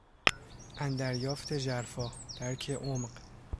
اندریافت ژرفا، درک عمق